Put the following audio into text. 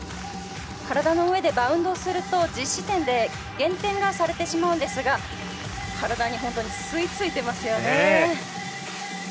体の上でバウンドすると実施点で減点がされてしまうんですが体に本当に吸いついてますよね。